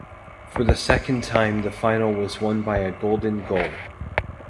For the second time the final was won by a golden goal.